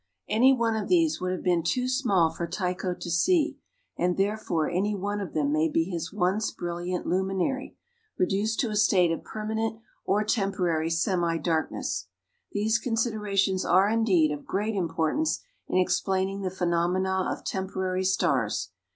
Any one of these would have been too small for Tycho to see, and, therefore, any one of them may be his once brilliant luminary reduced to a state of permanent or temporary semi darkness. These considerations are, indeed, of great importance in explaining the phenomena of temporary stars.